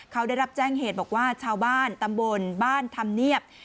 เขาได้รับแจ้งเหตุบอกว่าชาวบ้านตำบลบ้านธรรมเนียบ